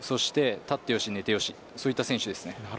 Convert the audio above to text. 立ってよし寝てよしそういった選手です。